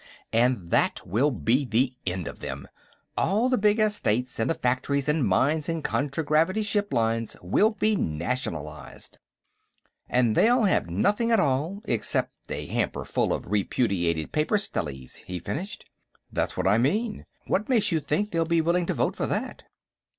And that will be the end of them. All the big estates, and the factories and mines and contragravity ship lines will be nationalized." "And they'll have nothing at all, except a hamper full of repudiated paper stellies," he finished. "That's what I mean. What makes you think they'll be willing to vote for that?"